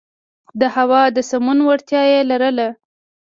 د هوا د سمون وړتیا یې لرله.